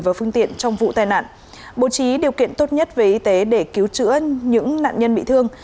và phương tiện trong vụ tai nạn bố trí điều kiện tốt nhất về y tế để cứu chữa những nạn nhân bị thương